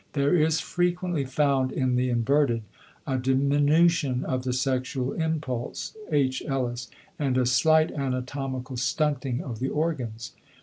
There is frequently found in the inverted a diminution of the sexual impulse (H. Ellis) and a slight anatomical stunting of the organs.